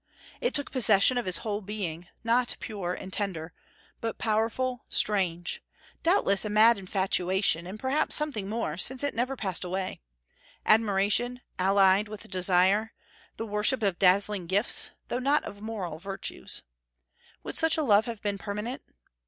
It took possession of his whole being, not pure and tender, but powerful, strange; doubtless a mad infatuation, and perhaps something more, since it never passed away, admiration allied with desire, the worship of dazzling gifts, though not of moral virtues. Would such a love have been permanent?